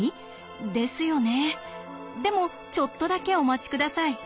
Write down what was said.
でもちょっとだけお待ち下さい。